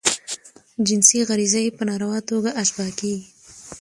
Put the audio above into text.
جنسی غریزه ئې په ناروا توګه اشباه کیږي.